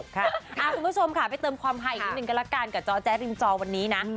คุณผู้ชมค่ะไปเติมความฮาอีกนิดนึงก็ละกันกับจอแจ๊ริมจอวันนี้นะ